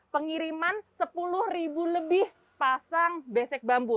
pengiriman sepuluh ribu lebih pasang besek bambu